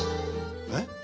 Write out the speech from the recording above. えっ？